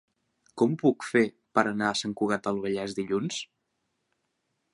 Com ho puc fer per anar a Sant Cugat del Vallès dilluns?